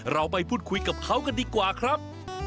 เราไปพูดคุยกับเขากันดีกว่าครับ